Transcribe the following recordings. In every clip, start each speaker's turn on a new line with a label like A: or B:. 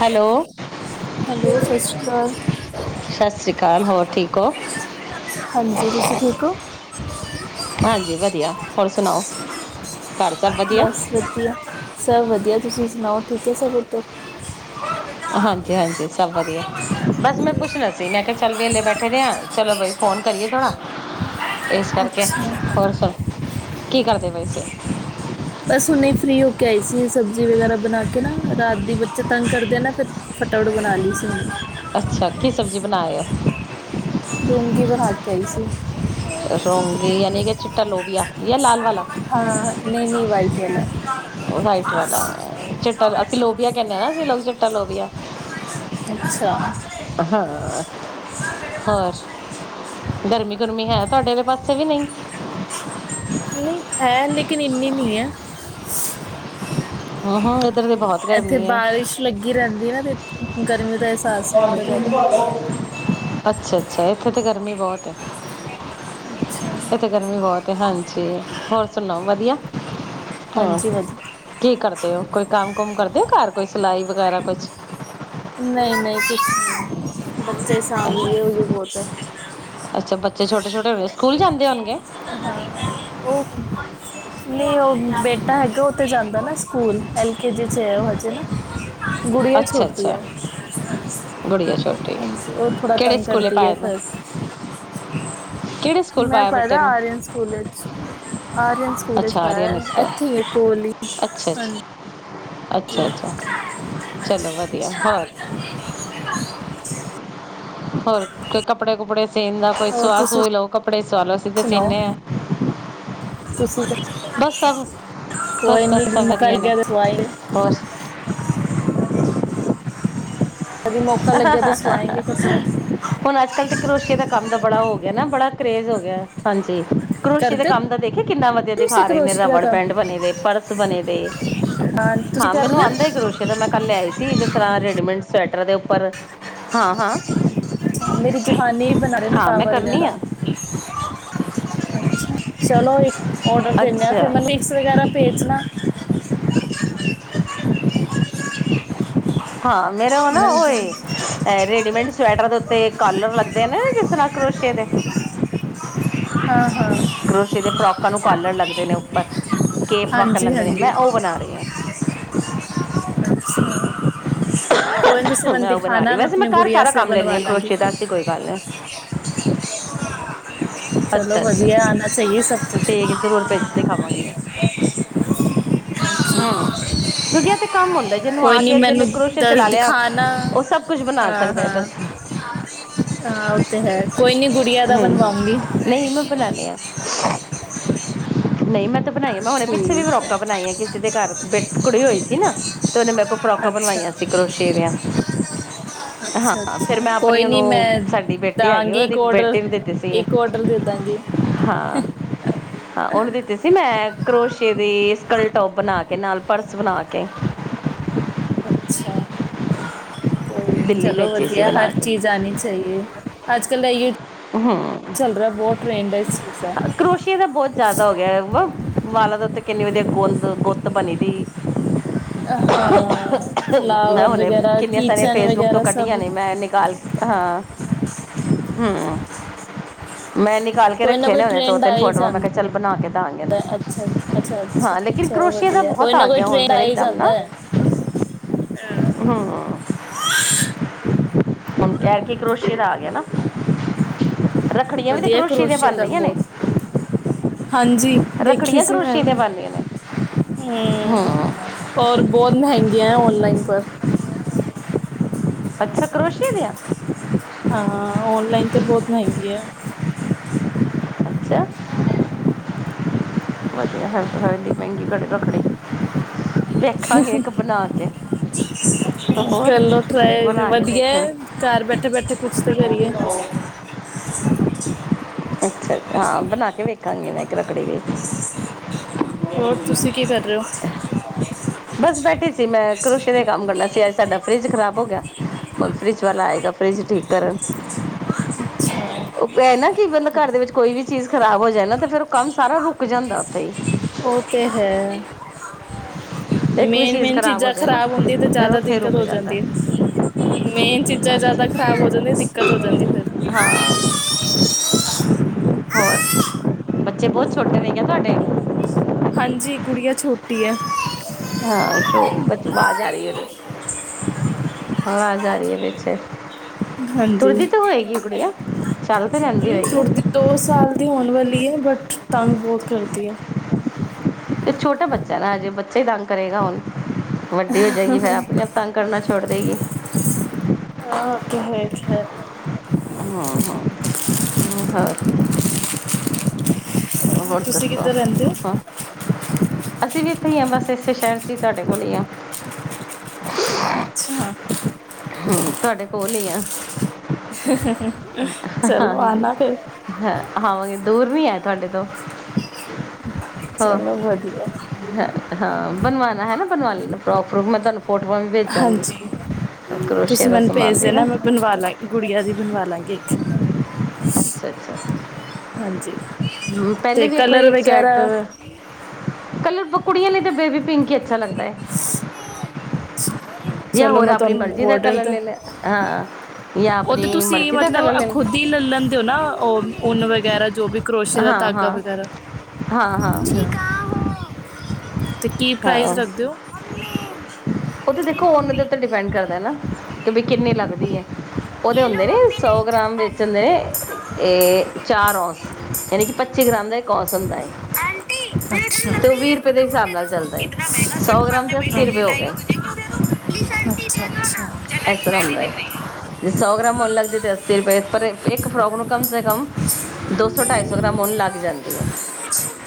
A: Hello.
B: Hello ਸਤਿ ਸ਼੍ਰੀ ਅਕਾਲ
A: ਸਤਿ ਸ੍ਰੀ ਅਕਾਲ, ਹੋਰ ਠੀਕ ਹੋ।
B: ਹਾਂਜੀ, ਤੁਸੀਂ ਠੀਕ ਹੋ।
A: ਹਾਂਜੀ ਵਧੀਆ, ਹੋਰ ਸੁਣਾਓ, ਘਰ। ਸਭ ਵਧੀਆ
B: ਬਸ ਵਧੀਆ, ਸਭ ਵਧੀਆ ਤੁਸੀਂ ਸੁਣਾਓ ਠੀਕ ਹੈ ਸਭ ਉੱਤਰ।
A: ਹਾਂਜੀ -ਹਾਂਜੀ, ਸਭ ਵਧੀਆ, ਬਸ ਮੈਂ ਪੁੱਛਣਾ ਸੀ ਮੈਂ ਕਿਹਾ ਚੱਲ ਵਿਹਲੇ ਬੈਠੇ ਦੇ ਹਾਂ, ਚਲੋ ਬਾਈ। ਫੋਨ ਕਰੀਏ ਥੋੜ੍ਹਾ, ਇਸ ਕਰਕੇ
B: ਅੱਛਾ
A: ਹੋਰ ਸੁਣੋ, ਕੀ ਕਰਦੇ ਪਏ ਸੀ।
B: ਬਸ ਹੁਨੇ ਫਰੀ ਹੋ ਕੇ ਆਈ ਸੀ, ਸਬਜ਼ੀ ਵਗੈਰਾ ਬਣਾ ਕੇ ਨਾ ਰਾਤ ਦੀ ਬੱਚੇ ਤੰਗ ਕਰਦੇ ਨਾ ਫਿਰ। ਫਟਾਫਟ ਬਣਾ ਲਈ ਸੀ ਮੈਂ।
A: ਅੱਛਾ, ਕੀ ਸਬਜ਼ੀ ਬਣਾਏ।
B: ਰੋਂਗੀ ਬਣਾ ਕੇ ਆਈ ਸੀ।
A: ਰੋਂਗੀ ਯਾਨੀ ਕਿ ਚਿੱਟਾ ਲੋਬੀਆ ਜਾਂ ਲਾਲ ਵਾਲਾ।
B: ਹਾਂ, ਨਹੀਂ- ਨਹੀਂ ਵਾਈਟ ਵਾਲਾ।
A: ਵਾਈਟ ਵਾਲਾ, ਚਿੱਟਾ ਅਸੀਂ ਲੋਭੀਆ ਕਹਿੰਦੇ ਹ ਨਾ, ਅਸੀਂ ਚਿੱਟਾ ਲੋਬੀਆ।
B: ਅੱਛਾ।
A: ਹਾਂ, ਹੋਰ। ਗਰਮੀ -ਗਰਮੀ ਹੈ ਤੁਹਾਡੇ ਵਾਲੇ ਪਾਸੇ ਵੀ ਨਹੀਂ।
B: ਨਹੀਂ ਹੈ, ਲੇਕਿਨ ਇੰਨੀ ਨਹੀਂ ਹੈ।
A: ਹਾਂ-ਹਾਂ ਇੱਧਰ ਦੇ ਬਹੁਤ।
B: ਇੱਥੇ
A: ਗਰਮੀ ਹੈ
B: ਬਾਰਿਸ਼ ਲੱਗੀ ਰਹਿੰਦੀ ਨਾ ਤੇ, ਗਰਮੀ ਤਾਂ ਇਸ।
A: ਅੱਛਾ- ਅੱਛਾ, ਇੱਥੇ ਤੇ ਗਰਮੀ ਬਹੁਤ ਹੈ।
B: ਅੱਛਾ
A: ਇੱਥੇ ਗਰਮੀ ਬਹੁਤ ਹਾਂਜੀ, ਹੋਰ ਸੁਣਾਓ ਵਧੀਆ। ਹਾਂ,
B: ਹਾਂਜੀ ਵਧੀਆ
A: ਕੀ ਕਰਦੇ ਹੋ ਕੋਈ ਕੰਮ ਕੁਮ ਕਰਦੇ ਆ ਘਰ ਕੋਈ, ਸਿਲਾਈ ਵਗੈਰਾ ਕੁਛ।
B: ਨਹੀਂ -ਨਹੀਂ ਕੁਛ ਨਹੀਂ, ਬੱਚੇ ਸ਼ਾਂਭ ਲਈਏ ਉਹੀ ਬਹੁਤ
A: ਅੱਛਾ, ਬੱਚੇ ਛੋਟੇ- ਛੋਟੇ ਹੋਣਗੇ ਸਕੂਲ ਜਾਂਦੇ ਹੋਣਗੇ
B: ਹਾਂ, ਉਹ ਨਹੀਂ ਉਹ ਬੇਟਾ ਹੈਗਾ ਉਹਥ ਜਾਂਦਾ ਨਾ ਸਕੂਲ, ਐਲ ਕੇ ਜੀ 'ਚ ਉਹ ਹਜੇ ਨਾ ਗੁੜੀਆਂ
A: ਅੱਛਾ
B: ਛੋਟੀ
A: ਅੱਛਾ
B: ਹੈ
A: ਗੁੜੀਆ ਛੋਟੀ ਹੈ
B: ਹਾਂਜੀ ਉਹ ਥੋੜਾ
A: ਕਿਹੜੇ
B: ਤੰਗ
A: ਸਕੂਲੇ
B: ਕਰਦੀ ਹੈ
A: ਪਾਇਆ ਨੂੰ
B: ਫਿਰ
A: ਕਿਹੜੇ ਸਕੂਲ ਪਾਇਆ ਬੇਟੇ ਨੂੰ
B: ਸਕੂਲੇਜ, ਆਰੀਯਨ ਸਕੂਲ 'ਚ
A: ਅੱਛਾ
B: ਪਾਇਆ,
A: ਆਰੀਅਨ ਸਕੂਲ
B: ਇੱਥੇ ਹੀ ਕੋਲ ਹੀ,
A: ਅੱਛਾ ਅੱਛਾ
B: ਹਾਂਜੀ
A: ਅੱਛਾ -ਅੱਛਾ ਚਲੋ ਵਧੀਆ, ਹੋਰ
B: [inaudible]
A: ਹੋਰ ਕੋਈ ਕੱੜੇ ਕੁਪੜੇ ਸੀਣ ਦਾ ਕੋਈ
B: ਹੋਰ
A: ਸੁਆਹ
B: ਤੁਸੀਂ
A: ਸੂ ਲਓ, ਕੱਪੜੇ ਸਆਹ ਲਓ, ਅਸੀਧ
B: ਸੁਣਾਓ
A: ਸੀਦੇ ਹਾਂ।
B: ਤੁਸੀਂ
A: ਬਸ ਸਭ ਬਸ
B: ਕੋਈ
A: ਬਸ ਸਭ
B: ਨਹੀਂ ਕਰ
A: ਵਧੀਆ ਨੇ,
B: ਗਿਆ ਦਵਾਈ
A: ਹੋਰ
B: ਕਦੀ
A: [inaudible]
B: ਮੌਕਾ ਲੱਗਿਆ ਤੇ ਸਵਾਏਂਗੇ ਕੱਪੜੇ
A: ਹੁਣ ਅੱਜ ਕੱਲ੍ਹ ਤੇ ਕਰੋਸ਼ੀ ਦਾ ਕੰਮ ਦਾ ਬੜਾ ਹੋ ਗਿਆ ਨਾ, ਬੜਾ ਕਰੇਜ ਹੋ ਗਿਆ ਹਾਂਜੀ, ਕਰੋਸ਼ੀ ਦੇ
B: ਕਰਦੇ ਹੋ
A: ਕੰਮ ਦਾ ਦੇਖੀ ਕਿੰਨਾ ਵਧੀਆ
B: ਤੁਸੀਂ
A: ਦਿਖਾ ਰਹੇ ਨੇ
B: ਕਰੋਸ਼ੀ ਦਾ
A: ਰਬੜ
B: ਕੰਮ
A: ਬੈਂਟ ਬਣੇ ਦੇ, ਪਰਸ ਬਣੇ ਦੇ
B: ਹਾਂ, ਤੁਸੀਂ ਕਰਦੇ ਹੋ
A: ਤਾਂ ਮੈਂ ਕੱਲ ਲਿਆਈ ਸੀ, ਜਿਸ ਤਰ੍ਹਾਂ ਰੈਡੀਮੇਡ ਸਵੈਟਰ ਦੇ ਉੱਪਰ, ਹਾਂ -ਹਾਂ
B: ਮੇਰੀ ਜਹਾਨੀ ਹੀ ਬਣਾ ਰਹੇ ਨਾ
A: ਹਾਂ ਮੈਂ
B: ਪਾਵਾ
A: ਕਰਨੀ
B: ਵਗੈਰਾ
A: ਆ
B: ਅੱਛਾ, ਚਲੋ ਇੱਕ ਔਡਰ ਦਿੰਦੇ ਆ, ਫਿਰ
A: ਅੱਛਾ
B: ਮੈਨੂੰ ਬੁੱਕਸ ਵਗੈਰਾ ਭੇਜਣਾ
A: ਹਾਂ, ਮੇਰੇ ਵ ਨਾ
B: ਮੈਨੂੰ
A: ਉਹ, ਰੇਡੀਮੇਡ ਸਵੈਟਰ ਦਾ ਤੇ ਕਾਲਰ ਵਧਦੇ ਨੇ ਜਿਸ ਤਰਾਂ ਕਰੋਸ਼ੀਏ ਦੇ
B: ਹਾਂ- ਹਾਂ
A: ਗੋਸ਼ਰੀ ਦੇ ਫਰੋਕਾਂ ਨੂੰ ਕਾਲਰ ਲੱਗਦੇ ਨੇ ਉੱਪਰ, ਕੇਪ ਮਾਕਣ
B: ਹਾਂਜੀ
A: ਲੱਗਦੇ ਨੇ,
B: ਹਾਂਜੀ
A: ਮੈਂ ਉਹ ਬਣਾ ਰਹੀ ਹਾਂ
B: ਅੱਛਾ ਕੋਈ ਨੀ ਤੁਸੀਂ ਮੈਨੂੰ
A: ਮੈਂ ਉਹ ਬਣਾ ਰਹੀ
B: ਦਿਖਾਣਾ, ਮੈਂ
A: ਵੈਸੇ
B: ਆਪਣੀ
A: ਘਰ
B: ਗੁੜੀਆ
A: ਸਾਰਾ
B: ਸੇ
A: ਕੰਮ ਲੈਂਦੀ
B: ਬਣਵਾ
A: ਹਾਂ
B: ਲਾਂਗੀ
A: ਕਰੋਸ਼ੀਏ ਦਾ ਐਸੀ ਕੋਈ ਗੱਲ।
B: ਚਲੋ
A: ਅੱਛਾ ਅੱਛਾ
B: ਵਧੀਆ, ਆਣਾ ਚਾਹੀਏ ਸਭ ਕੁਛ
A: ਦੇਖਾ ਬਗੀਰੇ ਹਮ, ਕਿਉਕਿ ਇਹ ਤੇ ਕੰਮ ਹੁੰਦਾ, ਜਿਹਨੂੰ
B: ਕੋਈ
A: ਆ ਗਿਆ
B: ਨਹੀਂ ਮੈਨੂੰ
A: ਜਿਹਨੇਸ਼ ਜਿੰਨੇ
B: ਦੱਸ
A: ਚਲਾ ਲਿਆ,
B: ਦਿਖਾਣਾ
A: ਉਹ ਸਭ ਕੁਛ ਬਣਾ
B: ਹਾਂ
A: ਸਕਦਾ ਹੈ
B: ਹਾਂ
A: ਬਸ
B: ਹਾਂ, ਉਹ ਤੇ ਹੈ ਕੋਈ ਨੀ ਗੁੜੀ
A: ਹਮ- ਹਮ, ਨਹੀਂ ਮੈਂ ਬਣਾਨ ਆ, ਨਹੀਂ ਮੈਂ ਤਾਂ ਬਣਾਈਆਂ ਮੈਂ ਹੁਨੇ ਪਿੱਛੇ ਵੀ
B: ਠੀਕ ਹੈ
A: ਫਰੋਕਾਂ ਬਣਾਈ ਕਿਸੇ ਦੇ ਘਰ ਬ ਕੁੜੀ ਹੋਈ ਸੀ ਨਾ, ਤੇ ਉਹਨੇ ਮੇਰੇ ਕੋਲ ਫਰੋਕਾਂ
B: ਅੱਛਾ
A: ਬਣਵਾਈਆਂ ਸੀ ਕਰੋਸ਼ੀਏ ਦੀਆਂ ਹਾਂ,
B: ਅੱਛਾ ਅੱਛਾ
A: ਫੇਰ ਮੈਂ
B: ਕੋਈ
A: ਆਪਣੀ
B: ਨਹੀਂ
A: ਉਹਨੂੰ
B: ਮੈਂ
A: ਸਾਡੀ ਬੇਟੀ ਹੈਗੀ
B: ਦਾਂਗੀ ਇੱਕ
A: ਉਹਦੀ ਬੇਟੀ
B: ਔਡਰ
A: ਤੈਨੂੰ ਦਿੱਤੀ ਸੀ,
B: ਇੱਕ ਔਡਰ ਦੇ ਦਾਂਗੀ
A: ਹਾਂ, ਹਾਂ ਉਹਨੂੰ ਦਿੱਤੇ ਸੀ ਮੈਂ ਕਰੋਸ਼ੀਏ ਦੀ ਸਕਲ ਟੋਪ ਬਣਾ ਕੇ, ਨਾਲ ਪਰਸ ਬਣਾ ਕੇ
B: ਅੱਛਾ, ਕੋਈ ਨਹੀਂ,
A: ਦਿੱਲੀ
B: ਚਲੋ
A: ਭੇਜੀ ਸੀ
B: ਵਧੀਆ
A: ਬਣਾ
B: ਹਰ
A: ਕੇ
B: ਚੀਜ਼ ਆਉਣੀ ਚਾਹੀਏ ਅੱਜ- ਕੱਲ੍ਹ ਏਹੀਓ, ਚੱਲ ਰਿਹਾ ਬਹੁਤ ਟ੍ਰੈਂਡ ਹੈ ਇਸ ਚੀਜ਼ ਦਾ
A: ਇਹਦਾ ਬਹੁਤ ਜ਼ਿਆਦਾ ਹੋ ਗਿਆ ਵਾ, ਵਾਲਾ ਦੇ ਉੱਤੇ ਕਿੰਨੀ ਦਿਨ ਗੋਂਦ ਗੁਤ ਬਣੀ ਦੀ
B: ਹਾਂ
A: ਮੈਂ
B: ਫਲਾਵਰ
A: ਹੁਣ
B: ਵਗੈਰਾ
A: ਕਿੰਨੀਆਂ ਸਾਰੀਆਂ
B: ਕਿਚਨ
A: ਫੇਸਬੁੱਕ ਤੋਂ
B: ਵਗੈਰਾ ਸਭ
A: ਕੱਢੀਆਂ ਨੇ ਮੈਂ ਨਿਕਾਲ ਹਾਂ, ਹਮ ਮੈਂ ਨਿਕਾਲ ਕੇ
B: ਕੋਈ ਨਾ
A: ਰੱਖੇ
B: ਕੋਈ
A: ਨੇ ਹੁਣੇ ਦੋ
B: ਟ੍ਰੈਂਡ ਆ
A: ਤਿੰਨ
B: ਹੀ
A: ਫੋਟੋਆਂ ਮੈਂ
B: ਜਾਂਦਾ,
A: ਕਿਹਾ ਚੱਲ ਬਣਾ ਕੇ ਦਾਂਗੇ ਨਾ
B: ਅੱਛਾ ਅੱਛਾ -ਅੱਛਾ
A: ਹਾਂ ਲੇਕਿਨ
B: ਚਲੋ
A: ਕਰੋਸ਼ੀਏ ਦਾ
B: ਵਧੀਆ,
A: ਬਹੁਤ
B: ਕੋਈ ਨਾ
A: ਆ
B: ਕੋਈ
A: ਗਿਆ ਹੁਣ
B: ਟੇਨ
A: ਫਿਰ
B: ਆ ਹੀ
A: ਇੱਕਦਮ
B: ਜਾਂਦਾ ਹੈ, ਹ
A: ਹਾਂ ਹੁਣ ਕਹਿ ਕੇ ਕਰੋਸ਼ੀ ਦਾ ਆ ਗਿਆ ਨਾ ਰੱਖੜੀਆਂ ਵੀ ਤੇ
B: ਵਧੀਆ
A: ਕਰੋਸ਼ੀਏ ਦੀਆਂ
B: ਕਰੋਸ਼ੀਆ
A: ਬਣ
B: ਤ
A: ਰਹੀਆਂ ਨੇ
B: ਬਹੁਤ, ਹਾਂਜੀ ਦੇਖੀ
A: ਰੱਖੜੀਆਂ
B: ਸੀ ਮੈਂ
A: ਕਰੋਸ਼ੀਏ ਦੀਆਂ
B: ਵੀ,
A: ਬਣ ਰਹੀਆਂ ਨੇ
B: ਹਮ ਔਰ, ਬਹੁਤ ਮਹਿੰਗੀਆਂ ਹੈ ਔਨਲਾਈਨ ਤਾਂ
A: ਅੱਛਾ ਕਰੋਸ਼ੀਏ ਦੇ ਆ
B: ਹਾਂ, ਔਨਲਾਈਨ ਤਾਂ ਬਹੁਤ ਮਹਿੰਗੀ ਆਂ
A: ਅੱਛਾ [unintelligible] ਰੱਖਾਂਗੇ, ਇੱਕ ਬਣਾ ਕੇ ਹੋਰ
B: ਚਲੋ, ਤਾ
A: ਇੱਕ
B: ਏ
A: ਬਣਾ ਕੇ
B: ਵਧੀਆ
A: ਵੇਖਣ
B: ਘਰ ਬੈਠੇ-ਬੈਠੇ ਕੁਛ ਤੇ ਕਰੀਏ
A: ਅੱਛਾ, ਤਾਂ ਬਣਾ ਕੇ ਵੇਖਾਂਗੀ ਮੈਂ ਇੱਕ ਰੱਖੜੀ ਵੀ
B: ਹੋਰ ਤੁਸੀਂ ਕੀ ਕਰ ਰਹੇ ਹੋ
A: ਬਸ ਬੈਠੀ ਸੀ ਮੈਂ, ਕਰੋਸ਼ੀਏ ਦਾ ਕੰਮ ਕਰਨਾ ਸੀ, ਅੱਜ ਸਾਡਾ ਫਰਿਜ ਖ਼ਰਾਬ ਹੋ ਗਿਆ ਹੁਣ ਫਰਿਜ ਵਾਲਾ ਆਏਗਾ, ਫਰਿਜ ਠੀਕ ਕਰਨ
B: ਅੱਛਾ
A: ਓਹ ਕੇਨ ਨਾ ਕਿ ਬੰਦਾ ਘਰ ਦੇ ਵਿੱਚ ਕੋਈ ਵੀ ਚੀਜ਼ ਖ਼ਰਾਬ ਹੋ ਜਾਏ ਨਾ ਤੇ ਫੇਰ ਉਹ ਕੰਮ ਸਾਰਾ ਰੁਕ ਜਾਂਦਾ ਉੱਥੇ ਹੀ
B: ਉਹ ਤੇ ਹੈ
A: ਇੱਕ ਵੀ ਚੀਜ਼
B: ਮੇਨ-ਮੇਨ
A: ਖਰਾਬ ਹੋ
B: ਚੀਜ਼ਾਂ
A: ਜਾਏ ਨਾ
B: ਖ਼ਰਾਬ ਹੁੰਦੀਆਂ ਤੇ
A: ਫਿਰ
B: ਜ਼ਿਆਦਾ
A: ਉੱਥੇ ਹੀ ਰੁਕ
B: ਦਿੱਕਤ ਹੋ
A: ਜਾਂਦਾ
B: ਜਾਂਦੀ ਏ
A: ਹੈ।
B: ਮੇਨ ਚੀਜ਼ਾਂ ਜਿਆਦਾ
A: ਹਾਂਜੀ
B: ਖ਼ਰਾਬ ਹੋ ਜਾਂਦੀ ਦਿੱਕਤ ਹੋ ਜਾਂਦੀ ਫਿਰ
A: ਹਾਂ ਹੋਰ, ਬੱਚੇ ਬਹੁਤ ਛੋਟੇ ਨੇ ਕੀਂ ਤੁਹਾਡੇ
B: ਹਾਂਜੀ, ਗੁੜੀਆਂ ਛੋਟੀ ਐ
A: ਹਾਂ ਛੋ, ਪਿੱਛੇ ਆਵਾਜ਼ ਆ ਰਹੀ ਉਹਦੀ, ਆਵਾਜ਼ ਆ ਰਹੀ ਹੈ ਵਿਚੇ
B: ਹਾਂਜੀ
A: ਤੁਰਦੀ ਤੇ ਹੋਏਗੀ ਗੁਰੀਆਂ, ਚੱਲ ਤੇ ਲੈਂਦੀ
B: ਹਮ,
A: ਹੋਏਗੀ
B: ਛੋਟੀ ਦੋ ਸਾਲ ਦੀ ਹੋਣ ਵਾਲੀ ਏ, ਬਟ ਤੰਗ ਬਹੁਤ ਕਰਦੀ ਏ
A: ਤੇ ਛੋਟਾ ਬੱਚਾ ਨਾ ਹਜੇ, ਬੱਚਾ ਹੀ ਤੰਗ ਕਰੇਗਾ ਹੁਣ ਵੱਡੀ ਹੋ ਜਾਏਗੀ ਫਿਰ ਆਪਣੇ ਆਪ ਤੰਗ ਕਰਨਾ ਛੋੜ ਦੇਗੀ
B: ਹਾਂ ਉਹ ਤਾ ਹੈ, ਖੈਰ
A: ਹਾਂ-ਹਾਂ-ਹਾਂ ਹੋਰ
B: ਤੁਸੀਂ
A: ਦਸੋ
B: ਕਿੱਧਰ ਰਹਿੰਦੇ ਹੋ
A: ਅਸੀਂ ਵੀ ਇੱਥੇ ਹੀ ਹ, ਬਸ ਇਸੇ ਸ਼ਹਿਰ 'ਚ ਹੀ, ਤੁਹਾਡੇ ਕੋਲ ਹੀ ਆ
B: ਅੱਛਾ
A: ਹਮ, ਤੁਹਾਡੇ ਕੋਲ ਹੀ ਆ
B: ਚਲੋ,
A: ਹਾਂਜੀ
B: ਆਨਾ ਫੇਰ
A: ਹਾਂ, ਆਵਾਂਗੇ ਦੂਰ ਨਹੀਂ ਤੁਹਾਡੇ ਤੋਂ ਹਾਂ
B: ਚਲੋ ਵਧੀਆ
A: ਹਾਂ, ਹਾਂ ਬਣਵਾਉਣਾ ਹੈ ਨਾ ਬਣਵਾ ਲੈਣਾ, ਫਰੋਕ-ਫਰੂਕ ਮੈਂ ਤੁਹਾਨੂੰ ਫੋਟੋਆਂ ਵੀ ਭੇਜਾਂਗੇ,
B: ਹਾਂਜੀ
A: ਕਰੋਸ਼ੀਏ
B: ਤੁਸੀਂ
A: ਦਾ
B: ਮੈਨੂੰ
A: ਸਮਾਨ
B: ਭੇਜ
A: ਵੀ ਨਾ
B: ਦੇਣਾ ਮੈਂ ਬਣਵਾ ਲਾਂ, ਗੁੜੀਆਂ ਦੀ ਬਣਵਾ ਲਾਂਗੇ ਇੱਕ
A: ਅੱਛਾ-ਅੱਛਾ
B: ਹਾਂਜੀ
A: ਹਮ, ਪਹਿਲੇ
B: ਤੇ
A: ਵੀ ਇੱਕ ਵਾਰੀ
B: ਕਲਰ
A: ਇੱਕ
B: ਵਗੈਰਾ
A: ਸਵੈਟਰ ਕਲਰ ਕੁੜੀਆਂ ਲਈ ਤਾਂ ਬੇਬੀ ਪਿੰਕ ਹੀ ਅੱਛਾ ਲੱਗਦਾ ਹੈ ਯਾ
B: ਚਲੋ
A: ਹੋਰ
B: ਮੈਂ
A: ਆਪਣੀ
B: ਤੁਹਾਨੂੰ
A: ਮਰਜ਼ੀ ਦਾ
B: ਔਡਰ
A: ਕਲਰ ਲੈ-ਲੈ ਹਾਂ ਯਾ
B: ਉਹ ਤੇ
A: ਆਪਣੀ
B: ਤੁਸੀਂ
A: ਮਰਜ਼ੀ ਦਾ
B: ਮਤਲਬ
A: ਕਲਰ ਲੈਲੈ
B: ਖੁਦ ਹੀ ਲੈ ਲੈਂਦੇ ਹੋ ਨਾ, ਉਹ ਉਨ ਵਗੈਰਾ ਜੋ ਵੀ ਕਰੋਸ਼ੀਏ ਦਾ
A: ਹਾਂ
B: ਧਾਗਾ
A: ਹਾਂ
B: ਵਗੈਰਾ
A: ਹਾਂ ਹਾਂ
B: ਤੇ ਕੀ ਪ੍ਰਾਈਜ਼
A: ਹਾਂ
B: ਰੱਖਦੇ ਹੋ
A: ਉਹ ਤੇ ਦੇਖੋ ਉਨ ਦੇ ਉੱਤੇ ਡਿਪੈਂਡ ਕਰਦਾ ਨਾ, ਕਿ ਬਈ ਕਿੰਨੀ ਲੱਗਦੀ ਏ [inaudible] ਉਹਦੇ ਹੁੰਦੇ ਨੇ ਸੌ ਗ੍ਰਾਮ ਵੇਚਣ ਦੇ, ਏ ਚਾਰ ਔਸ, ਯਾਨੀ ਕਿ ਪੱਚੀ ਗ੍ਰਾਮ ਦੇ ਕੋਸ ਹੁੰਦਾ ਏ। ਤੇ ਓਹ ਵੀਹ ਰੁਪਏ ਦੇ ਹਿਸਾਬ ਨਾਲ ਚੱਲਦਾ ਏ। ਸੌ ਗ੍ਰਾਮ ਦੇ ਅੱਸੀ ਰੁਪਏ ਹੋ ਗਏ।
B: ਅਛਾ -ਅਛਾ।
A: ਐਸਰਾਂ ਹੁੰਦਾ ਏ। ਜੇ ਸੌ ਗ੍ਰਾਮ ਓਨ ਲੱਗਦੀ ਤੇ ਅੱਸੀ ਰੁਪਏ। ਪਰ ਏਕ ਫਰੋਕ ਨੂੰ ਕਮ ਸੇ ਕਮ ਦੋ ਸੌ, ਢਾਈ ਸੌ ਗ੍ਰਾਮ ਉਨ ਲੱਗ ਜਾਂਦੀ ਏ।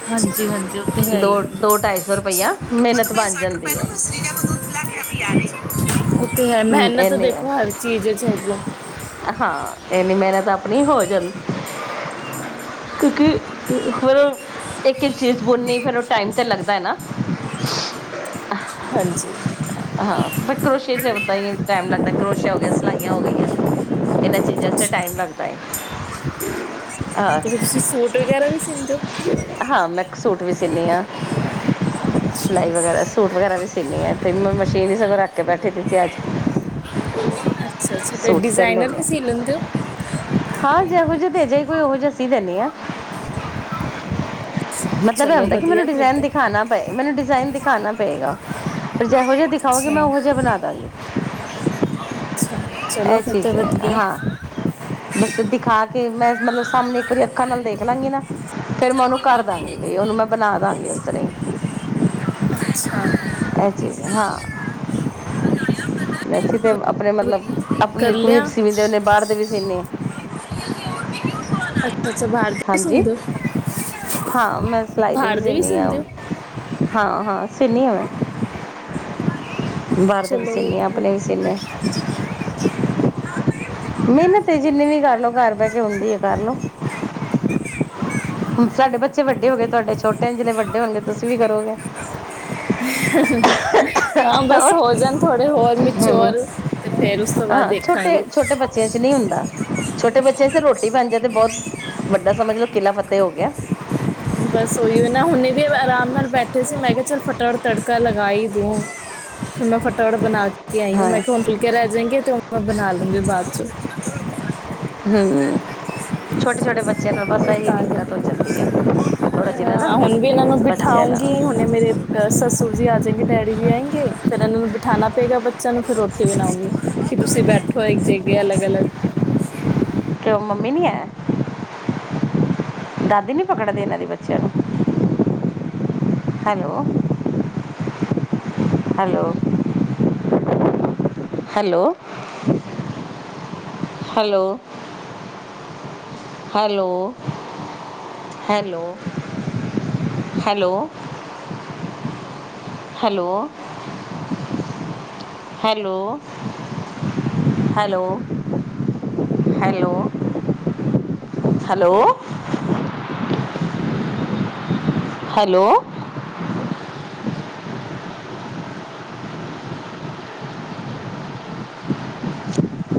B: ਹਾਂਜੀ- ਹਾਂਜੀ ਓ ਤੇ ਹੈ ਈ।
A: ਦੋ ਢਾਈ ਸੌ ਰੁਪਈਆ ਮਿਹਨਤ ਬਣ ਜਾਂਦੀ ਹੈ
B: ਓਤੇ ਹੈ, ਮਿਹਨਤ
A: ਇੰਨੀ
B: ਦੇਖੋ ਹਰ ਚੀਜ਼ ਵਿੱਚ ਹੈਗੀ। ਹੈ।
A: ਏਨੀ ਮੇਹਨਤ ਅਪਣੀ ਹੋ ਜਾਂਦੀ। ਕਿਉਂਕਿ ਫੇਰ ਇਕ- ਇਕ ਚੀਜ਼ ਬੁਣਨੀ ਫੇਰ ਓ ਟਾਈਮ ਤੇ ਲੱਗਦਾ ਐ ਨਾ।
B: ਹਾਂਜੀ।
A: ਹਾਂ ਬਟ ਕਰੋਸ਼ੀਏ ਚ ਓਦਾਂ ਈ ਟੈਮ ਲੱਗਦਾ ਐ। ਕਰੋਸ਼ਆ ਹੋ ਗਿਆ, ਸਲਾਈਆਂ ਹੋ ਗਈਆਂ। ਇਨਾਂ ਚੀਜ਼ਾਂ ਚ
B: ਅੱਛਾ
A: ਟਾਈਮ ਲੱਗਦਾ ਏ।
B: ਤੇ ਤੁਸੀ ਸੂਟ ਵਗੈਰਾ ਵੀ ਸੀਂਦੇ ਔ?
A: ਹਾਂ, ਮੈਂ ਸੂਟ ਵੀ ਸੀਨੀ ਆਂ।
B: ਅੱਛਾ
A: ਸਿਲਾਈ ਵਗੈਰਾ, ਸੂਟ ਵਗੈਰਾ ਵੀ ਸੀਨੀ ਆ। ਤੇ ਮ ਮਸ਼ੀਨ ਹੀ ਸਗੋਂ ਰੱਖ ਕੇ ਬੈਠੀ ਦੀ ਸੀ ਅਜ।
B: ਅੱਛਾ- ਅੱਛਾ ਤੇ
A: ਸੂਟ ਸਿਲ
B: ਡਿਜਾਇਨਰ
A: ਲੈਂਦੇ
B: ਵੀ
A: ਹਾਂ
B: ਸੀ ਲੈਂਦੇ ਔ।
A: ਹਾਂ ਜੇਹੋ ਜੇ ਦੇ ਜਾਏ ਕੋਈ, ਓਹੋ ਜੇ ਸੀ ਦੇਨੀ ਆਂ। ਮਤਲਬ ਐ
B: ਚਲੋ
A: ਹੁੰਦਾ ਕਿ,
B: ਵਧੀਆ
A: ਮੈਨੂੰ
B: ਫਿਰ
A: ਡਿਜ਼ਾਇਨ
B: ਤੇ
A: ਦਿਖਾਣਾ ਪੇ ਮੈਨੂੰ ਡਿਜ਼ਾਇਨ ਦਿਖਾਣਾ ਪਏਗਾ। ਪਰ ਜੇੋਹੋ ਜੇਆ ਦਿਖਾਓਗੇ, ਮੈਂ
B: ਅੱਛਾ
A: ਓਹੋ ਜੇਆ ਬਣਾ ਦਾਂਗੀ।
B: ਅੱਛਾ, ਚਲੋ
A: ਇਹ
B: ਫੇਰ ਤੇੇ
A: ਚੀਜ਼ ਹੈ
B: ਵਧੀਆ
A: ਹਾਂ
B: ਐ।
A: ਬਸ ਦਿਖਾ ਕੇ ਮੈਂ ਮਤਲਬ ਸਾਹਮਣੇ ਇੱਕ ਵਾਰੀ ਅੱਖਾਂ ਨਾਲ ਦੇਖ ਲਾਂਗੀ ਨਾ ਫੇਰ ਮੈਂ ਓਨੂੰ ਕਰ ਦਾਂਗੀ। ਬਈ ਓਨੂੰ ਮੈਂ ਬਣਾ ਦਾਂਗੀ ਓਸ ਤਰਾਂ ਈ।
B: ਅਛਾ।
A: ਐਹ ਚੀਜ਼ ਹੈ, ਹਾਂ ਵੈਸੀੇ। ਤੇ ਅਪਣੇ ਮਤਲਬ ਅਪਣੇ ਵੀ ਸੀਂਵਦੇ ਨੇ, ਬਾਰ ਦੇ ਵੀ ਸੀਂਨੀ ਆਂ।
B: ਅਛ [unintelligible] ਅਛਾ ਬਾਹਰ
A: ਹਾਂਜੀ, ਹਾਂ ਮੈਂ ਸਿਲਾਈ ਤੇ ਵੀ
B: ਬਾਹਰ ਦੇ
A: ਸੀਨੀ ਆਂ।
B: ਸੀਂਦੇ ਹੋ
A: ਹਾਂ- ਹਾਂ ਸੀਨੀ ਆਂ ਮੈਂ। ਬਾਰ ਦੇ ਵੀ
B: ਚਲੋ
A: ਸੀਨੀ ਆਂ,
B: ਵਧੀਆ
A: ਅਪਣੇ ਵੀ ਸੀਨੇ ਆ। ਮੇਹਨਤ ਏ ਜਿੰਨੀ ਵੀ ਕਰਲਓ ਘਰ ਬਹਿ ਕੇ ਹੁੰਦੀ ਐ ਕਰਲਓ। ਹੁਣ ਸਾਡੇ ਬੱਚੇ ਵੱਡੇ ਹੋ ਗਏ, ਤੁਹਾਡੇ ਛੋਟੇ ਨੇ ਜਿਲੇ ਵੱਡੇ ਹੋਣਗੇ ਤੁਸੀ ਵੀ ਕਰੋਗੇ।
B: ਹਾਂ ਬਸ
A: ਹੋਰ
B: ਹੋ ਜਾਣ ਥੋੜੇ ਹੋਰ ਮਿਚੋਰ। ਫੇਰ ਉਸ ਤੋਂ ਬਾਅਦ ਦੇਖਾਂਗੀ।
A: ਨਈ ਹੁੰਦਾ, ਛੋਟੇ ਬੱਚੇ ਤੇ ਰੋਟੀ ਬਣ ਜਾਏ ਤੇ ਬੋਤ ਵੱਡਾ ਸਮਝ ਲੋ ਕਿਲਾ ਫਤਿਹ ਹੋ ਗਿਆ।
B: ਬਸ ਓਹੀ ਓ ਨਾ ਹੁਣੇੇ ਵੀ ਮੈਂ ਆਰਾਮ ਨਾਲ ਬੈਠੇ ਸੀ, ਮੈਂ ਕਿਹਾ ਚੱਲ ਫਟਾਫਟ ਤੜਕਾ ਲਗਾ ਈ‌ ਦੂੰ। ਹੁਣ ਮੈਂ ਫਟਾਫਟ ਬਣਾ ਕੇ ਆਈ ਹੁੰ।
A: ਹਾਂ
B: ਮੈਂ ਕਿਹਾ ਹੁਣ ਫੁਲਕੇ ਰਹਿ ਜਾਏਗੇ ਤੇ ਮੈਂ ਬਣਾ ਲੂੰਗੀ ਬਾਦ ਚੋ।
A: ਹੂੰ, ਛੋਟੇ ਛੋਟੇ ਬੱਚ ਬੱਚੇ ਨਾਲ ਬਸ ਐਹੀ
B: ਤਾਂ
A: ਦਿੱਕਤ
B: ਕਰਕੇ
A: ਹੋ ਜਾਂਦੀ ਐ। ਥੋੜਾ ਜਿਨਾ ਨ ਬੱਚੇਆਂ ਨਾਲ।
B: ਫੇਰ ਮੇਰੇ ਅ ਸੱਸੁਰ ਜੀ ਆ ਜੇਂਗੇ ਡੈਡੀ ਵੀ ਆਏਂਗੇ, ਫੇਰ ਏਨਾਂ ਨੂੰ ਬਿਠਾਣਾ ਪਏਗਾ ਬੱਚਿਆਂ ਨੂੰ ਫੇਰ ਰੋਟੀ ਬਣਾਂਉਗੀ। ਕਿ ਤੁਸੀ ਬੈਠੋ ਇੱਕ ਜਗੇ ਅਲੱਗ- ਅਲੱਗ।
A: ਤੇ ਓ ਮੰਮੀ ਨੀ ਹੈ? ਦਾਦੀ ਨੀ ਪਕੜਦੀ ਏਨਾਂ ਦੀ ਬੱਚੇਆਂ ਨੂੰ? Hello. Hello, hello. Hello. Hello, hello. Hello. Hello. Hello, hello, hello. Hello. Hello.